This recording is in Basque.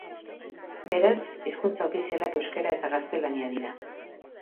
Beraz, hizkuntza ofizialak euskara eta gaztelania dira.